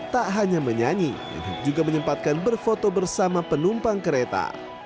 tak hanya menyanyi juga menyempatkan berfoto bersama penumpang kereta